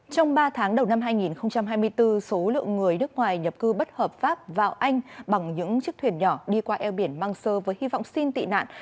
trong ba tháng đầu năm hai nghìn hai mươi bốn số lượng người nước ngoài nhập cư bất hợp pháp vào anh bằng những chiếc thuyền nhỏ đi qua eo biển mang sơ với hy vọng xin tị nạn